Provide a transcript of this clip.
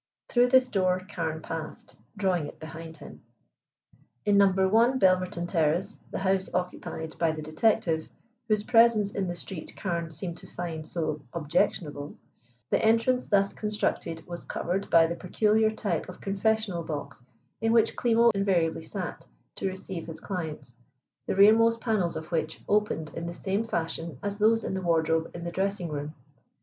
Through this door Carne passed, drawing it behind him. In No. 1, Belverton Terrace, the house occupied by the detective, whose presence in the street Carne seemed to find so objectionable, the entrance thus constructed was covered by the peculiar kind of confessional box in which Klimo invariably sat to receive his clients, the rearmost panels of which opened in the same fashion as those in the wardrobe in the dressing room.